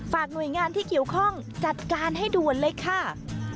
หน่วยงานที่เกี่ยวข้องจัดการให้ด่วนเลยค่ะ